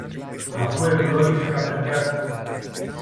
αφού ευλόγησε τα παιδιά του